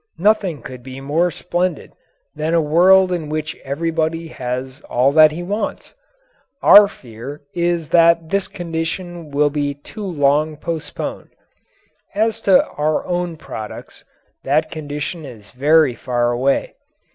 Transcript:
Nothing could be more splendid than a world in which everybody has all that he wants. Our fear is that this condition will be too long postponed. As to our own products, that condition is very far away.